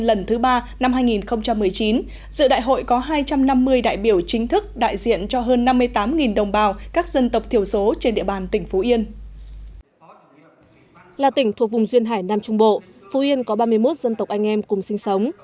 là tỉnh thuộc vùng duyên hải nam trung bộ phú yên có ba mươi một dân tộc anh em cùng sinh sống